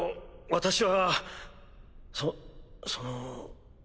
私はそその。